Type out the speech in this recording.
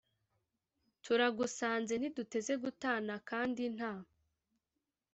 turagusanze ntiduteze gutana, kandi nta